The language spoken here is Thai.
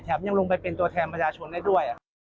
ยังลงไปเป็นตัวแทนประชาชนได้ด้วย